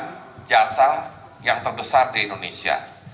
dengan jasa yang terbesar di indonesia